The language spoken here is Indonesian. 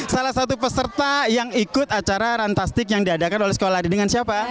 salah satu peserta yang ikut acara fantastik yang diadakan oleh sekolah dengan siapa